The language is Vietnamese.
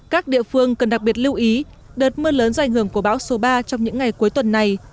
các địa phương cần đặc biệt lưu ý đợt mưa lớn do ảnh hưởng của bão số ba trong những ngày cuối tuần này